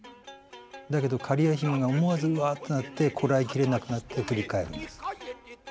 だけど苅屋姫が思わずうわってなってこらえ切れなくなって振り返るんです。